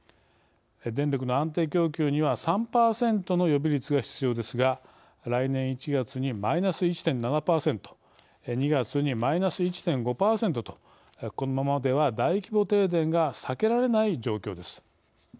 電力の安定供給には３％の予備率が必要ですが来年１月にマイナス１．７％２月にマイナス１．５％とこのままでは大規模停電が避けられない状況です。